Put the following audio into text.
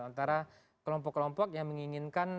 antara kelompok kelompok yang menginginkan